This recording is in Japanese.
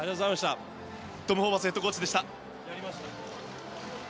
トム・ホーバスヘッドコーチでした。